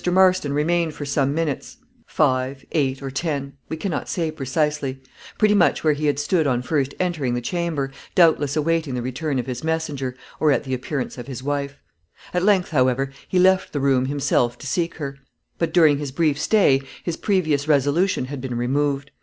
Marston remained for some minutes five, eight, or ten, we cannot say precisely pretty much where he had stood on first entering the chamber, doubtless awaiting the return of his messenger, or the appearance of his wife. At length, however, he left the room himself to seek her; but, during his brief stay, his previous resolution had been removed.